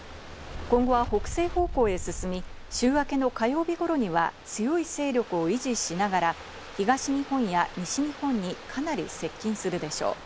今後は北西方向へ進み、週明けの火曜日頃には強い勢力を維持しながら、東日本や西日本にかなり接近するでしょう。